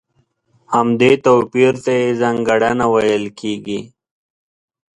همدې توپير ته يې ځانګړنه ويل کېږي.